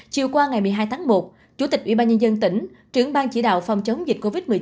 chiều qua ngày một mươi hai tháng một chủ tịch ủy ban nhân dân tỉnh trưởng ban chỉ đạo phòng chống dịch covid một mươi chín